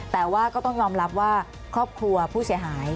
แต่ว่าก็ต้องยอมรับว่าครอบครัวผู้เสียหาย